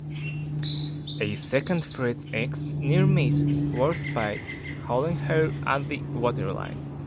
A second Fritz X near-missed "Warspite", holing her at the waterline.